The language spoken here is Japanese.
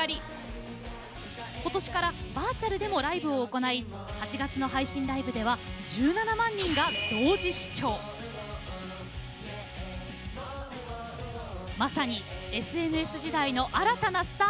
今年からバーチャルでもライブを行い８月の配信ライブではまさにＳＮＳ時代の新たなスター。